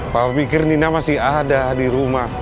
papa pikir nina masih ada di rumah